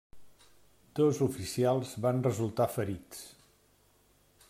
Dos oficials van resultar ferits.